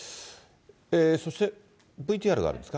そして、ＶＴＲがあるんですか？